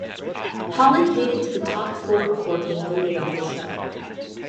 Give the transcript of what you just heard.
Holland made it to the top four before being voted off the show.